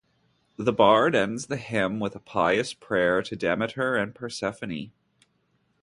The bard ends the hymn with a pious prayer to Demeter and Persephone.